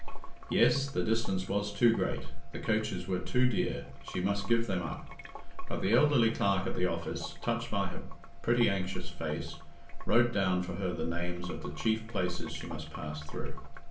Yes! The distance was too great—the coaches were too dear—she must give them up; but the elderly clerk at the office, touched by her pretty anxious face, wrote down for her the names of the chief places she must pass through.